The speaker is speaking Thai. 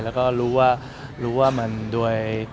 แล้วก็รู้ว่ามันด้วย